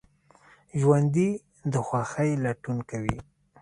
ژوندي د خوښۍ لټون کوي